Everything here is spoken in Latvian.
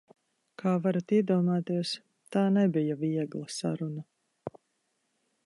Kā varat iedomāties, tā nebija viegla saruna.